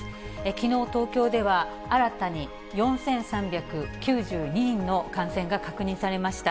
きのう、東京では新たに４３９２人の感染が確認されました。